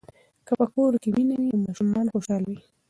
که په کور کې مینه وي نو ماشومان خوشاله وي.